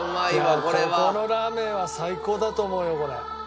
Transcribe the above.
ここのラーメンは最高だと思うよこれ。